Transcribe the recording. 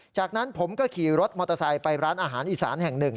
จากนั้นผมก็ขี่รถมอเตอร์ไซค์ไปร้านอาหารอีสานแห่งหนึ่ง